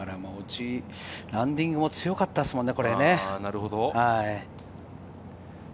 ランディングも強かったですね。